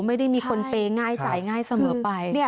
ไม่ได้มีคนเปย์ง่ายจ่ายง่ายเสมอไป